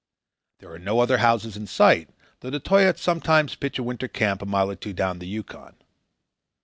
There are no other houses in sight, though the Toyaats sometimes pitch a winter camp a mile or two down the Yukon.